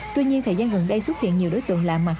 tuy nhiên thời gian gần đây xuất hiện nhiều đối tượng lạ mặt